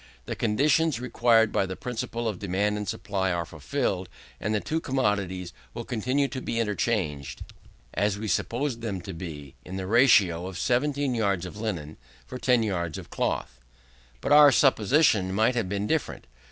The conditions required by the principle of demand and supply are fulfilled, and the two commodities will continue to be interchanged, as we supposed them to be, in the ratio of 17 yards of linen for 10 yards of cloth. But our supposition might have been different.